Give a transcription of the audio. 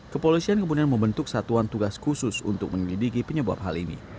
kepolisian kemudian membentuk satuan tugas khusus untuk menyelidiki penyebab hal ini